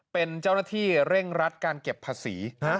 เป็นเจ้าหน้าที่เร่งรัดการเก็บภาษี